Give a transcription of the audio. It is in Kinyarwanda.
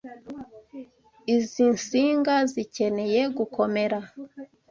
Izi nsinga zikeneye gukomera.